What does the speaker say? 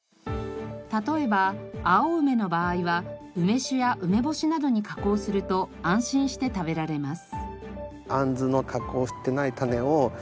例えば青梅の場合は梅酒や梅干しなどに加工すると安心して食べられます。